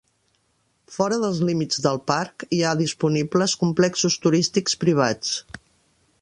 Fora dels límits del parc, hi ha disponibles complexos turístics privats.